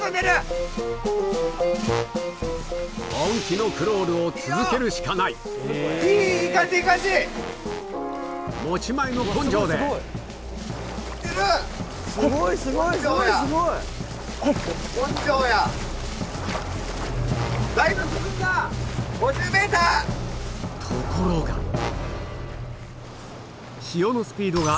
本気のクロールを続けるしかない持ち前のところが潮のスピードが